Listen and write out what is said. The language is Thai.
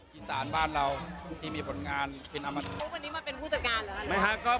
ครับผมครับ